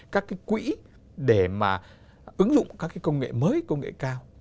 các quỹ để mà ứng dụng các công nghệ mới công nghệ cao